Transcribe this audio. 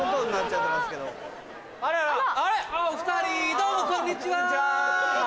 ・どうもこんにちは。